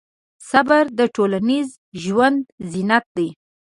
صبر د ټولنیز ژوند زینت دی.